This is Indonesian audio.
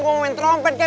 gue mau main trompet kek